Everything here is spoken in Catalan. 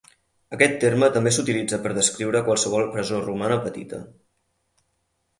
Aquest terme també s'utilitza per descriure qualsevol presó romana petita.